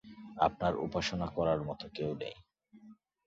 আপনার উপাসনা করার মতো কেউ নেই।